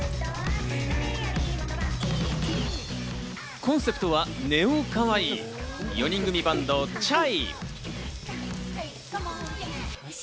コンセプトはＮＥＯかわいい、４人組バンドＣＨＡＩ。